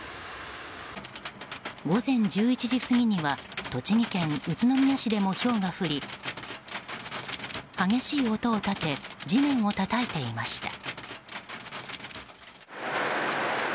午前１１時過ぎには栃木県宇都宮市でもひょうが降り激しい音を立て地面をたたいていました。